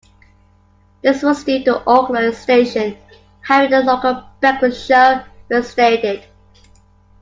This was due to the Auckland station having a local breakfast show reinstated.